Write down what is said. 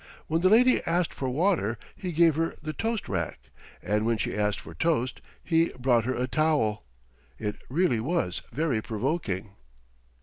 When the lady asked for water he gave her the toast rack, and when she asked for toast he brought her a towel. It really was very provoking.